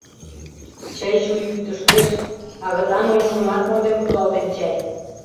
Чый-чуй кӱтыштеш, агытан улмыжымат монден кудалтен чай.